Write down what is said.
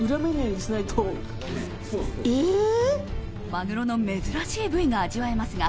マグロの珍しい部位が味わえますが。